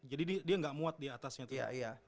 jadi dia gak muat di atasnya tuh